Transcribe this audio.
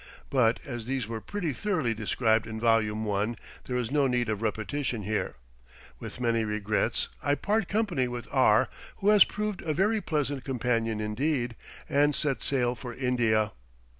But as these were pretty thoroughly described in Volume I., there is no need of repetition here. With many regrets I part company with R, who has proved a very pleasant companion indeed, and set sail for India.